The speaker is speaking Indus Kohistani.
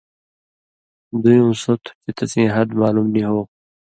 دُویُوں سو تُھو چے تسیں حَد معلوم نی ہو۔